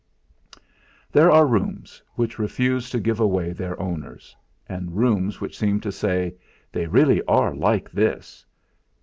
3 There are rooms which refuse to give away their owners, and rooms which seem to say: 'They really are like this.'